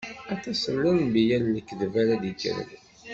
Aṭas n lenbiya n lekdeb ara d-ikkren.